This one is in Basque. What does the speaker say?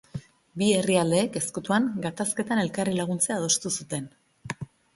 Bi herrialdeek, ezkutuan, gatazketan elkarri laguntzea adostu zuten.